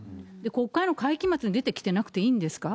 国会の会期末に出てきてなくていいんですか。